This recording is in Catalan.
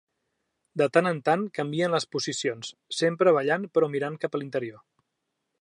De tant en tant canvien les posicions, sempre ballant però mirant cap a l'interior.